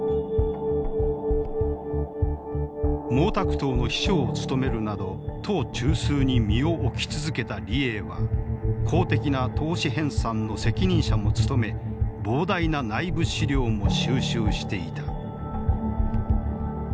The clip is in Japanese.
毛沢東の秘書を務めるなど党中枢に身を置き続けた李鋭は公的な党史編さんの責任者も務め膨大な内部資料も収集していた。